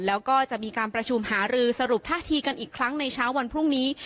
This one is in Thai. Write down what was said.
แล้วก็จะมีการประชุมหารือสรุปท่าทีกันอีกครั้งในเช้าวันพรุ่งนี้